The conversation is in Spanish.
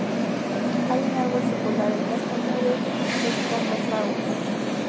Hay un árbol singular, el Castaño de Entrambasaguas.